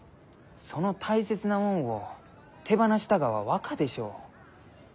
その大切なもんを手放したがは若でしょう？